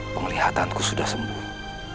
penglihatanku sudah sembuh